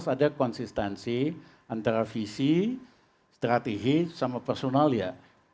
ada konsistensi antara visi strategi sama personal ya